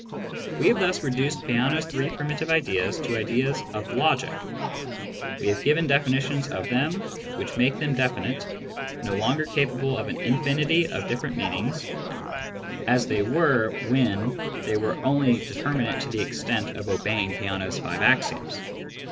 We have thus reduced Peano's three primitive ideas to ideas of logic : we have given definitions of them which make them definite, no longer capable of an infinity of different meanings, as they were when they were only determinate to the extent of obeying Peano's five axioms.